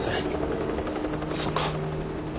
そうか。